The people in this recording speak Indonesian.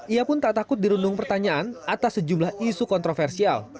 ia pun tak takut dirundung pertanyaan atas sejumlah isu kontroversial